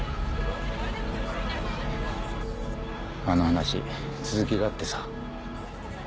あの話続きがあってさ。